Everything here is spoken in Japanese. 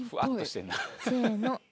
せの。